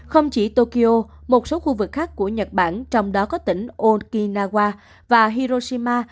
không chỉ tokyo một số khu vực khác của nhật bản trong đó có tỉnh onkinawa và hiroshima